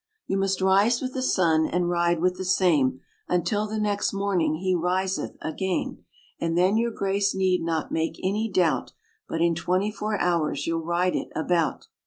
"You must rise with the sun, and ride with the same Until the next morning he riseth again; And then your grace need not make any doubt But in twenty four hours you'll ride it about."